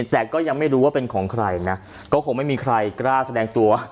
แต่ก็ยังไม่รู้ว่าเป็นของใครนะก็คงไม่มีใครกล้าแสดงตัว